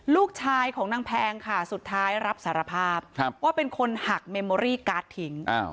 ลูกชายของนางแพงค่ะสุดท้ายรับสารภาพว่าเป็นคนหักเมมโอรี่การ์ดทิ้ง